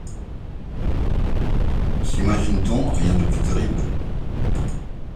S’imagine-t-on rien de plus terrible?